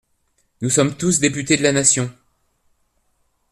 Nous sommes tous députés de la nation.